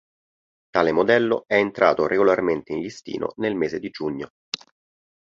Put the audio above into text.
Tale modello è entrato regolarmente in listino nel mese di giugno.